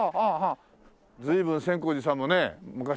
随分千光寺さんもね昔ながらの。